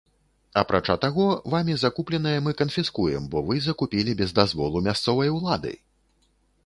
Апрача таго, вамі закупленае мы канфіскуем, бо вы закупілі без дазволу мясцовай улады!